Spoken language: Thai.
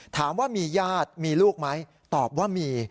ถามว่ามีญาติมีลูกไหมตอบว่ามี